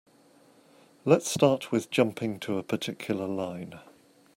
Let's start with jumping to a particular line.